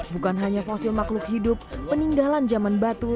bukan hanya fosil makhluk hidup peninggalan zaman batu